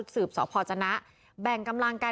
สืบส่อพณแบ่งกำลังการ